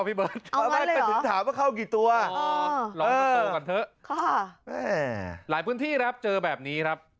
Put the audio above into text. โปรดติดตามตอนต่อไป